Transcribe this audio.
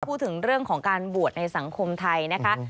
พูดถึงเรื่องของการบวชในสังคมไทยนะคะ